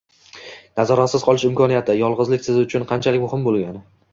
nazoratsiz qolish imkoniyati, yolg‘izlik siz uchun qanchalik muhim bo‘lgan?